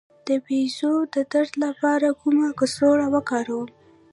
د بیضو د درد لپاره کومه کڅوړه وکاروم؟